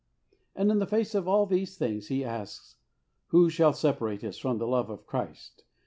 And in face of all these things he asks, " Who shall separate us from the love of Christ